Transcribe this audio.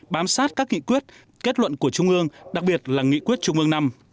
bám sát các nghị quyết kết luận của trung ương đặc biệt là nghị quyết trung ương năm